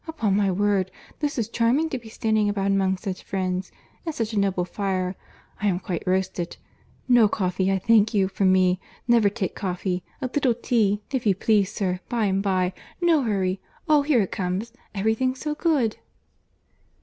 —Upon my word, this is charming to be standing about among such friends! And such a noble fire!—I am quite roasted. No coffee, I thank you, for me—never take coffee.—A little tea if you please, sir, by and bye,—no hurry—Oh! here it comes. Every thing so good!"